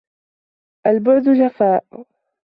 البعد جفاء